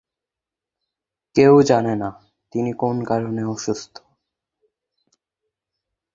কেউ জানে না তিনি কোন কারণে অসুস্থ।